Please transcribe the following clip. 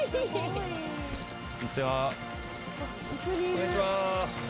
こんにちは。